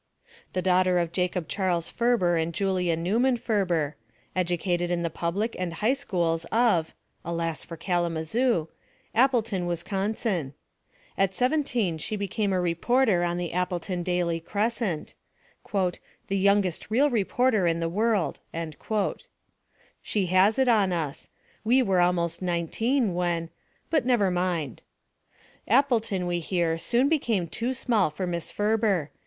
The daughter of Jacob Charles Ferber and Julia (Neuman) Ferber. Educated in the public and higK schools of alas for Kalamazoo! Appleton, Wis consin. At seventeen she became a reporter on the Appleton^ Daily Crescent "the youngest real reporter in the world." She has it on us. We were almost nineteen when but never mind. Appleton, we hear, soon became too small for Miss Ferber.